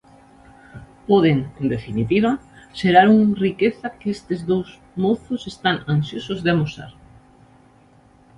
Poden, en definitiva, xerar un riqueza que estes dous mozos están ansiosos de amosar.